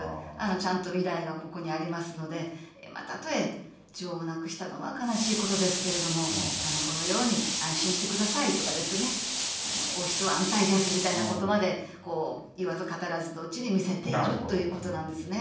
ちゃんと未来がここにありますので、たとえ女王を亡くしたのは悲しいことですけれども、このように、安心してくださいとかですね、王室は安泰ですみたいなことまで、言わず語らずのうちに見せているということなんですね。